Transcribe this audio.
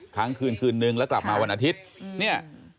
ครั้งคืนคืนหนึ่งและกลับมาวันอาทิตย์